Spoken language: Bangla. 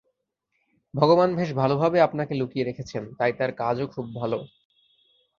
ভগবান বেশ ভালভাবে আপনাকে লুকিয়ে রেখেছেন, তাই তাঁর কাজও খুব ভাল।